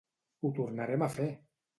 Ho tornarem a fer!